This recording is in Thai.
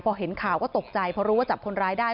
พอเห็นข่าวก็ตกใจเพราะรู้ว่าจับคนร้ายได้